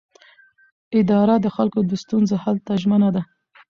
اداره د خلکو د ستونزو حل ته ژمنه ده.